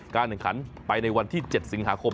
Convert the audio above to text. การแข่งขันไปในวันที่๗สิงหาคม